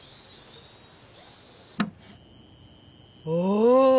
お！